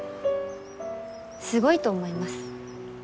すごいと思います。